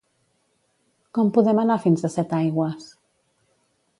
Com podem anar fins a Setaigües?